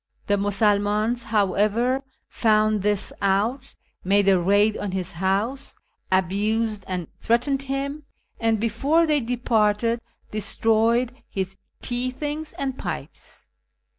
The Musulmans, however, found this out, made a raid on his house, abused and threatened him, and, before tliey departed, destroyed his tea things and pipes.